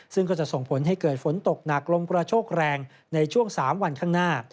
ซึ่งก็จะส่งผลให้เกิดฝนตกหนักลมกระโชกแรงในช่วง๓วันข้างหน้า